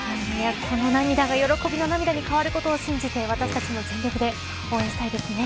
この涙が喜びの涙に変わることを信じて私たちも全力で応援したいですね。